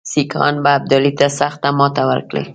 سیکهان به ابدالي ته سخته ماته ورکړي.